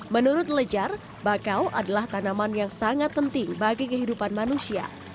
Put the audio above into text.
menurut lejar bakau adalah tanaman yang sangat penting bagi kehidupan manusia